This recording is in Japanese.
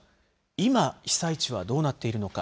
今、被災地はどうなっているのか。